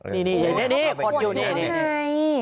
นี่เขาปล่อยอยู่เนี่ย